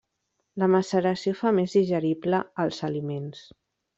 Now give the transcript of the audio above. La maceració fa més digerible els aliments.